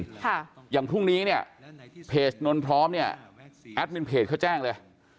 ค่ะอย่างพรุ่งนี้เนี่ยเพจนนท์พร้อมเนี่ยแอดมินเพจเขาแจ้งเลย